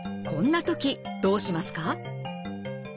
こんな時どうしますか？